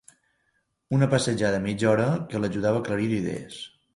Una passejada de mitja hora que l'ajudava a aclarir idees.